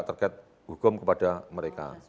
terkait hukum kepada mereka